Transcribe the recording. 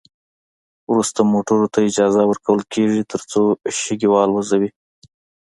وروسته موټرو ته اجازه ورکول کیږي ترڅو شګې والوزوي